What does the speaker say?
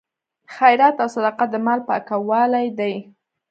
خیرات او صدقه د مال پاکوالی دی.